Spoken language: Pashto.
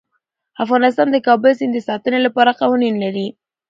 افغانستان د د کابل سیند د ساتنې لپاره قوانین لري.